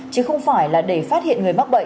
chứ không phải là để phát hiện người mắc bệnh